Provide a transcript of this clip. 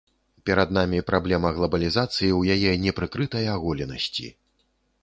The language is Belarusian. Перад намі праблема глабалізацыі ў яе непрыкрытай аголенасці.